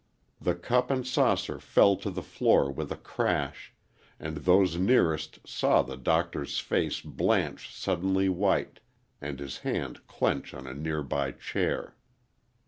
The cup and saucer fell to the floor with a crash, and those nearest saw the Doctor's face blanch suddenly white, and his hand clench on a nearby chair.